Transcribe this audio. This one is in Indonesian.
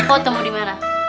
oh temen dimana